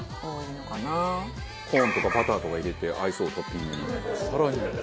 コーンとかバターとか入れて合いそうトッピングに。